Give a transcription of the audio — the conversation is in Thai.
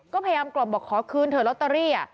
ก็พยายามกล่อมบอกขอคืนเถอะลอตเตอรี่